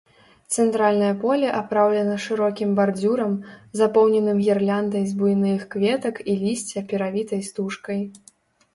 Цэнтральнае поле апраўлена шырокім бардзюрам, запоўненым гірляндай з буйных кветак і лісця, перавітай стужкай.